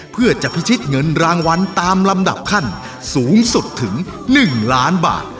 เพื่อจะพิชิตเงินรางวัลตามลำดับขั้นสูงสุดถึง๑ล้านบาท